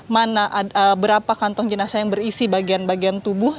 mana ada berapa kantong jenazah yang berisi bagian bagian tubuh